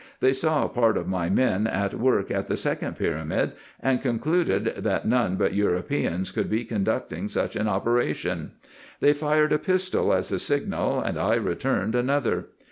They saw part of my men at work at the second pyramid, and concluded that none but Eu ropeans could be conducting such an operation. They fired a pistol as a signal, and I returned another.